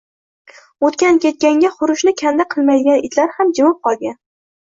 O`tgan-ketganga hurishni kanda qilmaydigan itlar ham jimib qolgan